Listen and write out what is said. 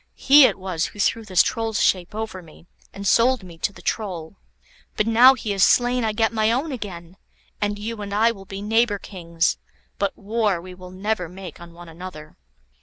He it was who threw this Troll's shape over me, and sold me to the Troll. But now he is slain I get my own again, and you and I will be neighbour kings, but war we will never make on one another."